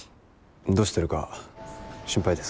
どうしてるか心配でさ。